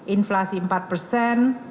inflasi empat persen